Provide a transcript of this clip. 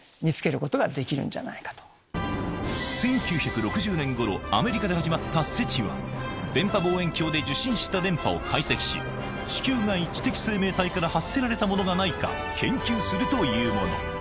１９６０年ごろアメリカで始まったＳＥＴＩは電波望遠鏡で受信した電波を解析し地球外知的生命体から発せられたものがないか研究するというもの